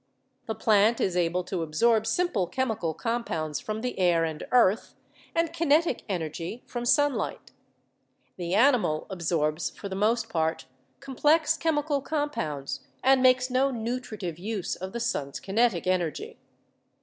The plant is able to absorb simple chemical com pounds from the air and earth, and kinetic energy from sunlight; the animal absorbs, for the most part, complex chemical compounds and makes no nutritive use of the sun's kinetic energy.